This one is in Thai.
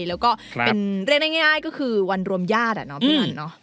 แล้วก็เป็นเรียกได้ง่ายก็คือวันรวมญาติอ่ะเนาะพี่อันเนาะ